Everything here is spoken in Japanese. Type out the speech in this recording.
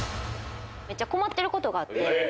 めっちゃ困ってることがあって。